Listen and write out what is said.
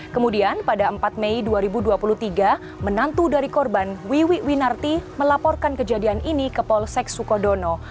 kemudian pada empat mei dua ribu dua puluh tiga menantu dari korban wiwi winarti melaporkan kejadian ini ke polsek sukodono